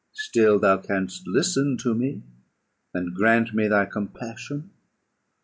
Still thou canst listen to me, and grant me thy compassion.